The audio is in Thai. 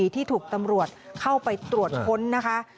ที่ถูกตำรวจเข้าไปตรวจค้นนะคะ